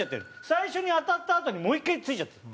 最初に当たったあとにもう１回撞いちゃってる。